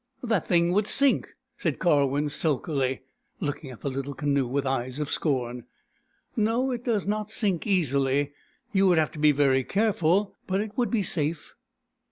BOORAN, THE PELICAN 95 " That thing would sink," said Karwin sulkily, looking at the little canoe with eyes of scorn. " No, it does not sink easily. You would have to be very careful, but it would be safe."